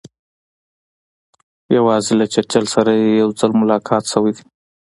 یوازې له چرچل سره یې یو ځل ملاقات شوی دی.